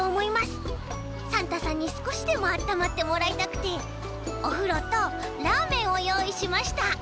サンタさんにすこしでもあったまってもらいたくておふろとラーメンをよういしました。